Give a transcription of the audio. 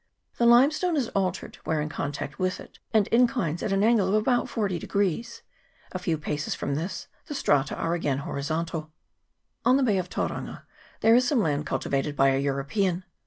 The limestone is altered where in contact with it, and inclines at an angle of about forty degrees ; a few paces from this the strata are again horizontal. CHAP. XVII.] TAURANGA. 255 On the Bay of Tauranga there is some land cul tivated by a European.